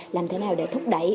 làm thế nào để thúc đẩy